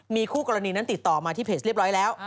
มีคู่กรณีนั้นติดต่อมาที่เพจเรียบร้อยแล้ว